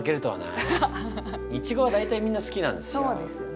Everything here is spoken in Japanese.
いちごは大体みんな好きなんですよ。